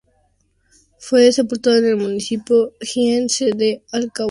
Fue sepultado en el municipio jienense de Alcaudete.